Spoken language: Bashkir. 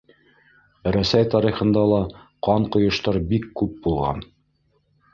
Рәсәй тарихында ла ҡан ҡойоштар бик күп булған.